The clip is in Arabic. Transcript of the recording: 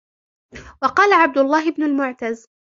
وَقَالَ عَبْدُ اللَّهِ بْنُ الْمُعْتَزِّ